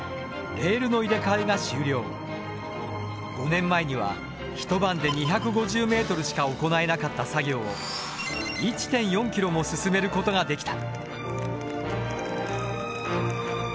５年前には一晩で２５０ｍしか行えなかった作業を１．４ｋｍも進めることができた。